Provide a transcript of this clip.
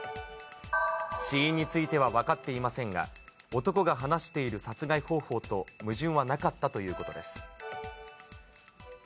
死因については分かっていませんが、男が話している殺害方法と矛盾はなかったということです。